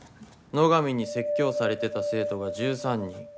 野上に説教されてた生徒が１３人。